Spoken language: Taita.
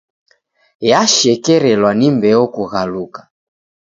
Yashekerelwa ni mbeo kughaluka.